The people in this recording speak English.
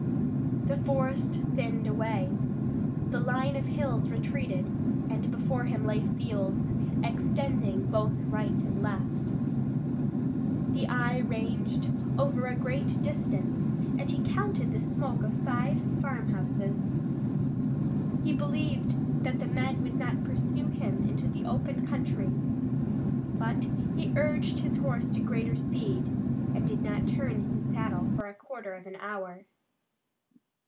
The forest thinned away. The line of hills retreated, and before him lay fields, extending to both right and left. The eye ranged over a great distance and he counted the smoke of five farm houses. He believed that the men would not pursue him into the open country, but he urged his horse to greater speed, and did not turn in his saddle for a quarter of an hour.